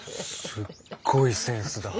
すっごいセンスだ。